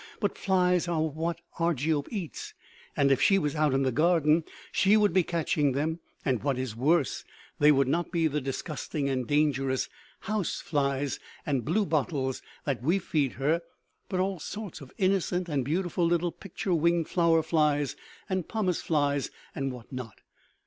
But flies are what Argiope eats, and if she was out in the garden, she would be catching them, and, what is worse, they would not be the disgusting and dangerous house flies and bluebottles that we feed her, but all sorts of innocent and beautiful little picture winged flower flies and pomace flies and what not.